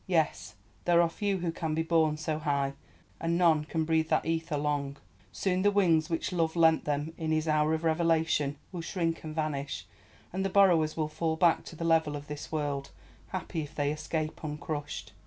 Yes, there are few who can be borne so high, and none can breathe that ether long. Soon the wings which Love lent them in his hour of revelation will shrink and vanish, and the borrowers will fall back to the level of this world, happy if they escape uncrushed.